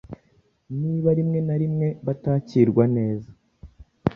niba rimwe na rimwe batakirwa neza